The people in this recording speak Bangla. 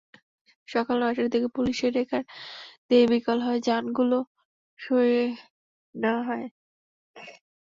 সকাল নয়টার দিকে পুলিশের রেকার দিয়ে বিকল হওয়া যানগুলো সরিয়ে নেওয়া হয়।